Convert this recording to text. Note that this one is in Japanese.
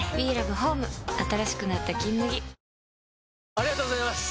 ありがとうございます！